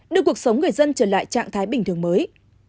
đưa cuộc sống người dân trở lại trạng thái bình thường mới